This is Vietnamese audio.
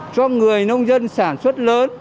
cho người nông dân sản xuất lớn